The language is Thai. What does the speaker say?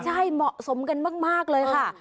ใช่เหมาะสมกันมากเลยค่ะ